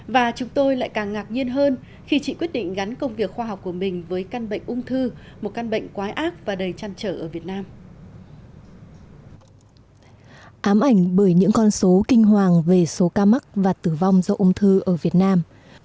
và chúng tôi lại càng ngạc nhiên hơn khi chị quyết định gắn công việc khoa học của mình với căn bệnh ung thư một căn bệnh quái ác và đầy chăn trở ở việt nam